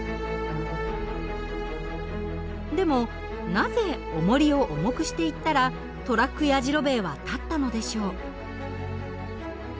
でもなぜおもりを重くしていったらトラックやじろべえは立ったのでしょう？